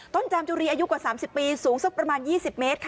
จามจุรีอายุกว่า๓๐ปีสูงสักประมาณ๒๐เมตรค่ะ